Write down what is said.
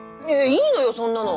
いいのよそんなの。